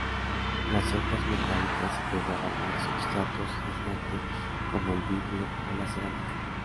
Las hojas metálicas se pegaban a substratos aislante, como el vidrio o la cerámica.